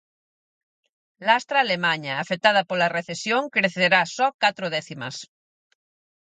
Lastra Alemaña, afectada pola recesión, crecerá só catro décimas.